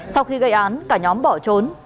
sau khi gây án cả nhóm bỏ trốn